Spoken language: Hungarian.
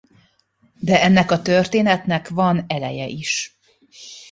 De ennek a történetnek van eleje is.